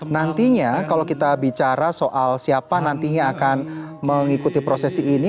nantinya kalau kita bicara soal siapa nantinya akan mengikuti prosesi ini